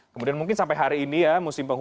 kemudian mungkin sampai hari ini ya